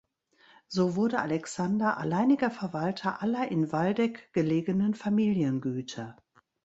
So wurde Alexander alleiniger Verwalter aller in Waldeck gelegenen Familiengüter.